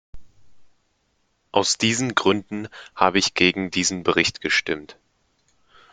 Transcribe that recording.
Aus diesen Gründen habe ich gegen diesen Bericht gestimmt.